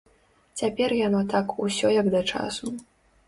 Цяпер яно так усё як да часу.